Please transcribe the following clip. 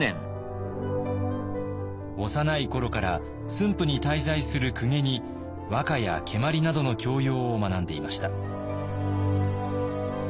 幼い頃から駿府に滞在する公家に和歌や蹴鞠などの教養を学んでいました。